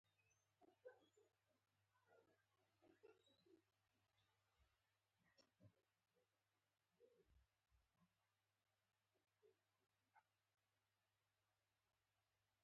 توپیر په کې دا و چې دلته څلورو خواوو ته کورونه دي.